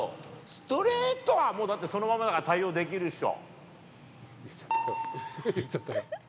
ストレートはもうそのままだから対応できるでしょ。